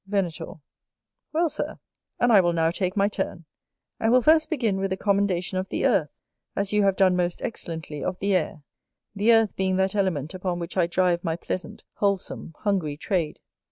Venator. Well, Sir, and I will now take my turn, and will first begin with a commendation of the Earth, as you have done most excellently of the Air; the Earth being that element upon which I drive my pleasant, wholesome, hungry trade.